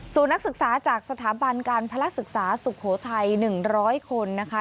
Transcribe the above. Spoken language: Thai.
ส่วนนักศึกษาจากสถาบันการพลักษึกษาสุโขทัย๑๐๐คนนะคะ